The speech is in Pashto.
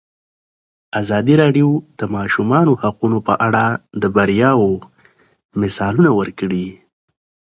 ازادي راډیو د د ماشومانو حقونه په اړه د بریاوو مثالونه ورکړي.